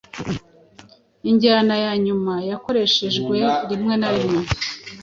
Injyana ya nyuma yakoreshejwe rimwe na rimwe